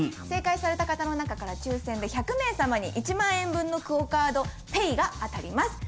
正解された方の中から抽選で１００名さまに１万円分のＱＵＯカードＰａｙが当たります。